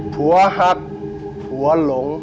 หัวหักหัวหลง